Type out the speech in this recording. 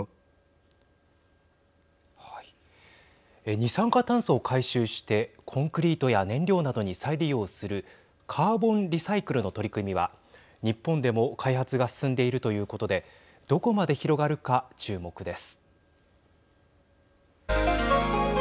二酸化炭素を回収してコンクリートや燃料などに再利用するカーボンリサイクルの取り組みは日本でも開発が進んでいるということでどこまで広がるか注目です。